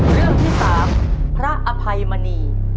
เรื่องที่๓พระอภัยมณี